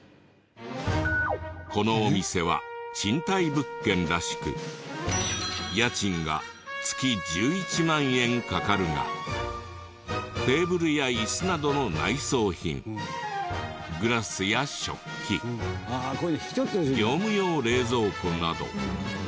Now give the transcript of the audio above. このお店は賃貸物件らしく家賃が月１１万円かかるがテーブルや椅子などの内装品グラスや食器業務用冷蔵庫など。